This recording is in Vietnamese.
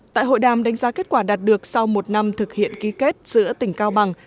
tại hội đàm đánh giá kết quả đạt được sau một năm thực hiện ký kết giữa tỉnh cao bằng